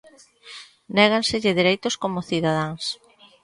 Néganselles dereitos como cidadáns.